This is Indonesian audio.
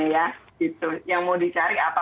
ya tergantung tadi sebenarnya ya